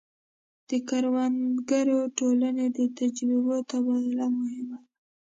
د کروندګرو ټولنې د تجربو تبادله مهمه ده.